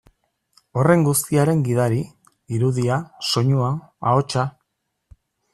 Horren guztiaren gidari, irudia, soinua, ahotsa.